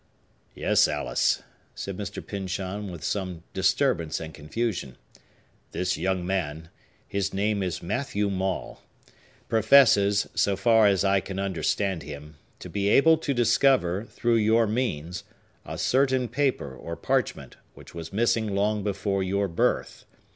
"Yes, Alice," said Mr. Pyncheon, with some disturbance and confusion. "This young man—his name is Matthew Maule—professes, so far as I can understand him, to be able to discover, through your means, a certain paper or parchment, which was missing long before your birth.